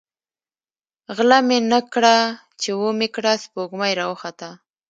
ـ غله مې نه کړه ،چې ومې کړه سپوږمۍ راوخته.